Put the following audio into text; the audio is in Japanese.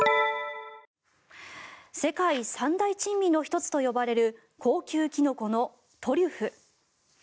世界三大珍味の１つと呼ばれる高級キノコのトリュフ。